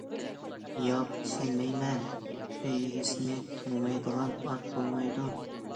- ياق، ئىشەنمەيمەن، ئۆي ئىگىسىنى تونۇمايدىغان ئات بولمايدۇ.